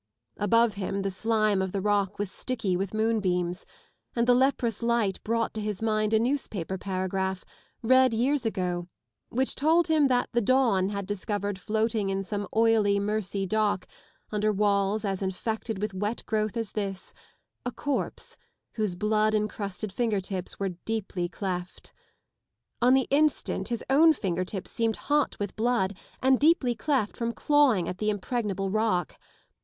Above him the slime of the rock was sticky with moonbeams, and the leprous light brought to his mind a newspaper paragraph, read years ago, which told him that the dawn had discovered floating in some oily Mersey dock, under walls as infected with wet growth as this, a corpse whose blood encrusted finger tips were deeply cleft. On the instant bis own finger tips seemed hot with blood and deeply cleft from clawing at the impregnable rock.